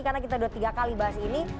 karena kita sudah tiga kali bahas ini